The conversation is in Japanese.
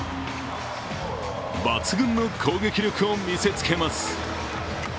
抜群の攻撃力を見せつけます。